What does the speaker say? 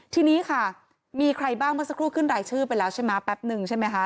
ทีนี้ค่ะมีใครบ้างเมื่อสักครู่ขึ้นรายชื่อไปแล้วใช่ไหมแป๊บนึงใช่ไหมคะ